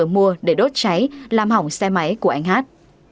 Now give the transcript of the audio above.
mua để đốt cháy làm hỏng xe máy của anh hát